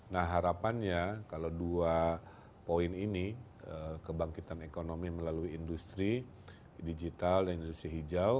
nah harapannya kalau dua poin ini kebangkitan ekonomi melalui industri digital dan industri hijau